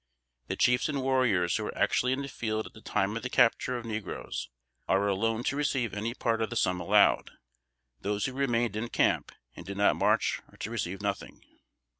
The chiefs and warriors who were actually in the field at the time of the capture of negroes are alone to receive any part of the sum allowed. Those who remained in camp and did not march are to receive nothing.